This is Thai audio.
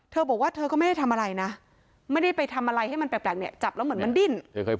เธอบอกว่าเธอก็ไม่ได้ทำอะไรนะไม่ได้ไปทำอะไรให้มันแปลกเนี่ยจับแล้วเหมือนมันดิ้น